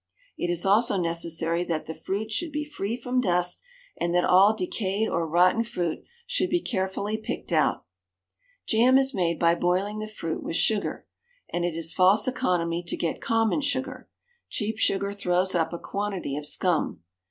It is also necessary that the fruit should be free from dust, and that all decayed or rotten fruit should be carefully picked out. Jam is made by boiling the fruit with sugar, and it is false economy to get common sugar; cheap sugar throws up a quantity of scum.